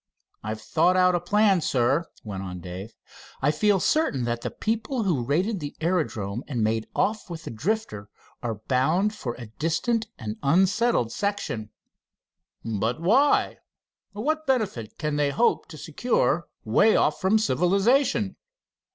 "I've thought out a plan, Sir," went on Dave. "I feel certain that the people who raided the aerodrome and made off with the Drifter are bound for a distant and unsettled section." "But why? What benefit can they hope to secure way off from civilization?"